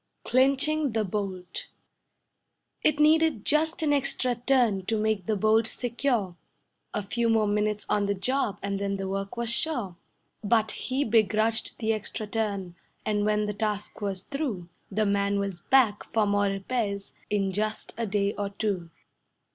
CLINCHING THE BOLT It needed just an extra turn to make the bolt secure, A few more minutes on the job and then the work was sure; But he begrudged the extra turn, and when the task was through, The man was back for more repairs in just a day or two.